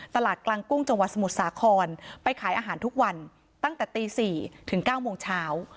ตลาดกลางกุ้งจังหวัดสมุทรสาครไปขายอาหารทุกวันตั้งแต่ตี๔ถึง๙โมงเช้า